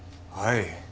はい。